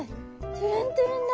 トゥルントゥルンだ。